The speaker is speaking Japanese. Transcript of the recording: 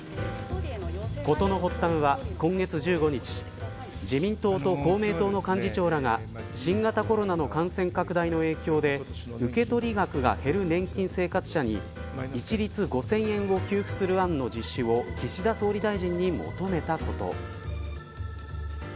事の発端は今月１５日自民党と公明党の幹事長らが新型コロナの感染拡大の影響で受け取り額が減る年金生活者に一律５０００円を給付する案を岸田総理大臣に求めたこと。